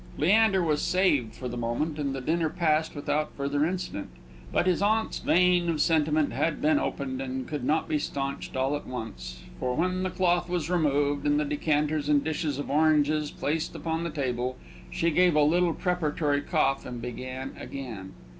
Leander was saved for the moment, and the dinner passed without further incident. But his aunt's vein of sentiment had been opened, and could not be staunched all at once; for when the cloth was removed, and the decanters and dishes of oranges placed upon the table, she gave a little preparatory cough and began again.